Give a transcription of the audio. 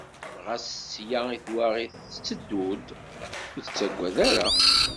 Ɣas isla s twaɣit tetteddu-d, ur ittagwad ara.